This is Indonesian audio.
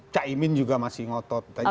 caimin juga masih ngotot